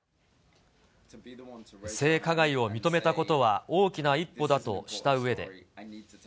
性加害を認めたことは大きな一歩だとしたうえで。